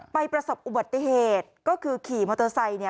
ประสบอุบัติเหตุก็คือขี่มอเตอร์ไซค์เนี่ย